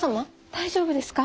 大丈夫ですか？